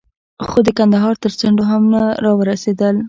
خو د کندهار تر څنډو هم نه را ورسېدل.